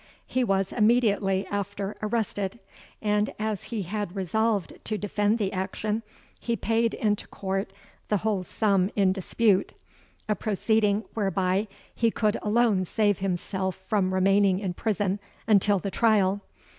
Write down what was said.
He was immediately after arrested: and, as he had resolved to defend the action, he paid into court the whole sum in dispute, a proceeding whereby he could alone save himself from remaining in prison until the trial.